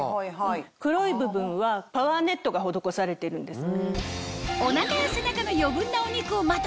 黒い部分はパワーネットが施されてるんです。